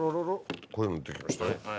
こういうの出てきましたよ。